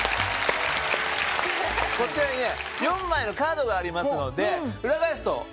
こちらにね４枚のカードがありますので。